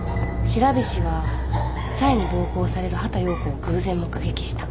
白菱はサイに暴行される畑葉子を偶然目撃した。